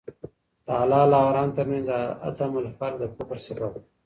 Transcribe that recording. د حلال اوحرام تر منځ عدم الفرق د کفر سبب دی.